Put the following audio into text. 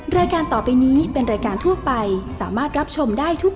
รายการต่อไปนี้เป็นรายการทั่วไปสามารถรับชมได้ทุก